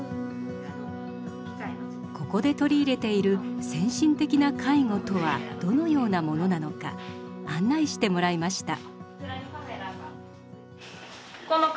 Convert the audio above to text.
ここで取り入れている先進的な介護とはどのようなものなのか案内してもらいました。